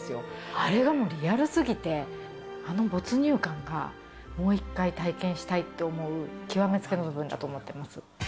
あれがもうリアルすぎて、あの没入感が、もう一回体験したいって思う極め付けの部分だと思っています。